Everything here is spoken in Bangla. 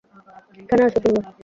এখানে আসো, সিম্বা!